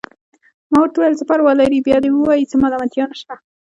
ما ورته وویل: څه پروا لري، بیا دې ووايي، څه ملامتیا نشته.